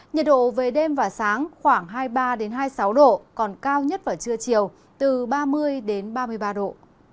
nhiệt độ về đêm và sáng khoảng hai mươi ba hai mươi sáu độ còn cao nhất vào trưa chiều từ ba mươi ba mươi ba độ